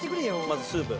まずスープ。